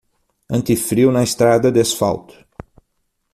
Anti-frio na estrada de asfalto